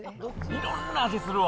いろんな味するわ。